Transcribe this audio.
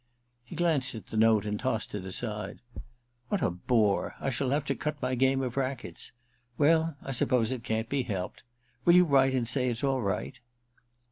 He glanced at the note and tossed it aside. * What a bore ! I shall have to cut my game of racquets. Well, I suppose it can't be helped. Will you write and say it's all right